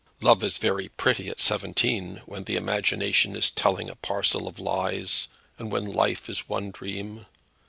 "Love is very pretty at seventeen, when the imagination is telling a parcel of lies, and when life is one dream.